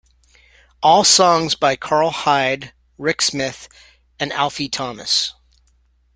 All songs by Karl Hyde, Rick Smith, and Alfie Thomas.